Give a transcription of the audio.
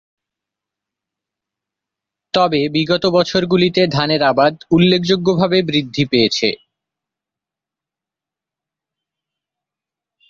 তবে বিগত বছরগুলিতে ধানের আবাদ উল্লেখযোগ্যভাবে বৃদ্ধি পেয়েছে।